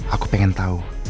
aku pengen tau